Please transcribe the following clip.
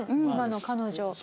今の彼女。